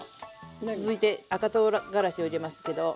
続いて赤とうがらしを入れますけど。